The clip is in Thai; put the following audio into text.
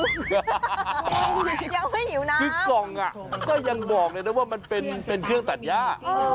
ยังไม่หิวนะคือกล่องอ่ะก็ยังบอกเลยนะว่ามันเป็นเครื่องตัดย่า